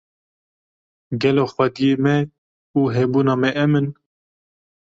Gelo xwedyê me û hebûna me em in